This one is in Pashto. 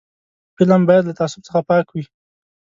فلم باید له تعصب څخه پاک وي